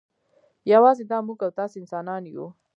یوازې دا موږ او تاسې انسانان یو.